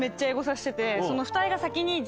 してて。